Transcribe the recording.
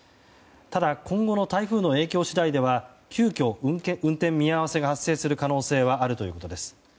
ただ、今後の台風の影響次第では急きょ運転見合わせが発生する可能性はあるということです。